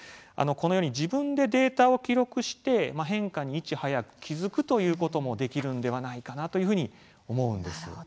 このように自分でデータを記録して変化にいち早く気付くということもできるのではないかなというふうに思うんです。